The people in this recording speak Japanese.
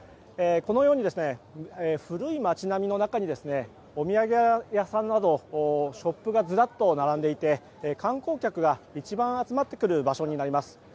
このように古い街並みの中にお土産屋さんなどショップがずらっと並んでいて観光客が一番集まってくる場所になります。